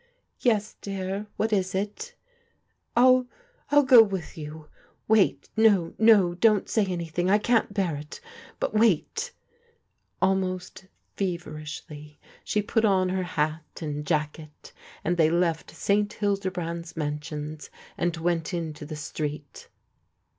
"Yes, dear, what is it?" •* I'll — I'll go with you ! Wait ! No, no, don't say any thing, I can't bear it ! But wait !" Almost feverishly she put on her hat and jacket, and* they left St. Hildebrand's Mansions, and went into the street.